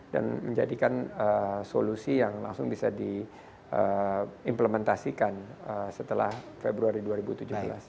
dan menjadikan solusi yang langsung bisa diimplementasikan setelah februari dua ribu tujuh belas